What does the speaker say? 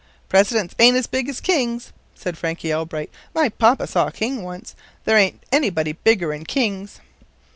"Presidents ain't as big as kings," said Frankie Elbright. "My papa saw a king once. There ain't anybody bigger'n kings."